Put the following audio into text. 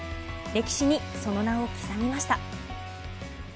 歴史にその名を刻みました。